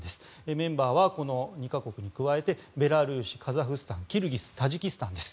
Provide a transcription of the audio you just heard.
メンバーはこの２か国に加えてベラルーシ、カザフスタンキルギス、タジキスタンです。